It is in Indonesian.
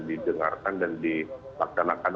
didengarkan dan dimakanakan